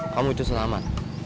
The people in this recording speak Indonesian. kamu itu senaman